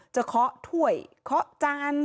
เคาะถ้วยเคาะจาน